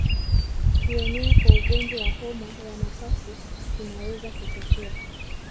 Kuenea kwa ugonjwa wa homa ya mapafu kunaweza kutokea